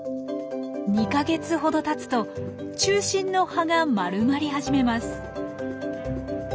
２か月ほどたつと中心の葉が丸まり始めます。